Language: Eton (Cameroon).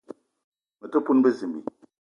Me te poun bezimbi